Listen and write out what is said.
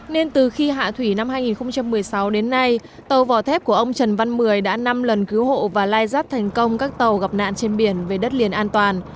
nên từ khi hạ thủy năm hai nghìn một mươi sáu đến nay tàu vỏ thép của ông trần văn mười đã năm lần cứu hộ và lai giáp thành công các tàu gặp nạn trên biển về đất liền an toàn